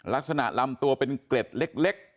ลักษณะรำตัวเป็นเกร็ดเล็ก